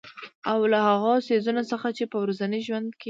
او له هـغو څـيزونه څـخـه چـې په ورځـني ژونـد کـې